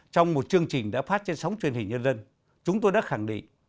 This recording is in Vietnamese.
trong một chương trình đã phát trên sóng truyền hình nhân dân chúng tôi đã khẳng định